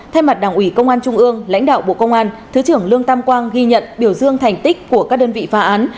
thay mặt đảng ủy công an trung ương lãnh đạo bộ công an thứ trưởng lương tam quang ghi nhận biểu dương thành tích của các đơn vị phá án